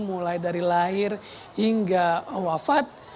mulai dari lahir hingga wafat